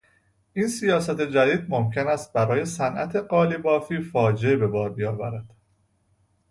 این سیاست جدید ممکن است برای صنعت قالی بافی فاجعه به بار بیاورد.